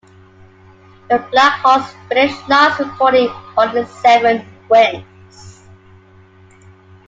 The Black Hawks finished last, recording only seven wins.